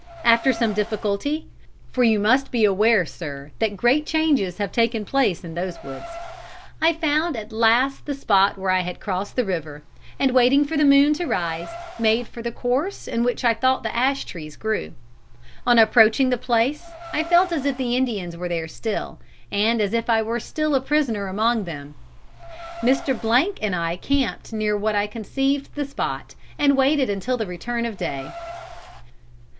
After some difficulty for you must be aware, sir, that great changes have taken place in those woods I found at last the spot where I had crossed the river, and waiting for the moon to rise, made for the course in which I thought the ash trees grew. On approaching the place I felt as if the Indians were there still, and as if I were still a prisoner among them. Mr. and I camped near what I conceived the spot, and waited until the return of day.